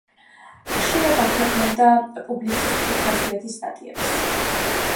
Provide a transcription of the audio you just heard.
ხშირად აქვეყნებდა პუბლიცისტური ხასიათის სტატიებს.